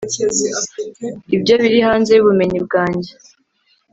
Ibyo biri hanze yubumenyi bwanjye